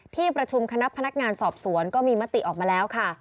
ที่ประชุมคณะพนักงานสอบสวนก็มีมติออกมาแล้วค่ะ